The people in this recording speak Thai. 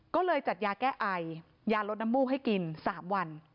ก็เลยจัดยาแก้ไอยาลดน้ำมูกให้กิน๓วัน